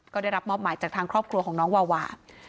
ก็ได้รับมอบหมายจากทางครอบครัวของน้องวาวา